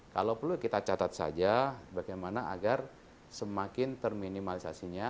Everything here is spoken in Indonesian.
kalau perlu kita catat saja bagaimana agar semakin terminimalisasinya